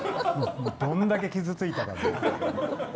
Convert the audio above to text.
どんだけ傷ついたか。